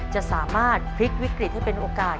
จะสามารถพลิกวิกฤตให้เป็นโอกาส